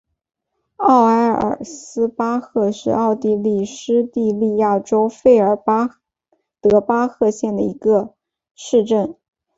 奥埃尔斯巴赫是奥地利施蒂利亚州费尔德巴赫县的一个市镇。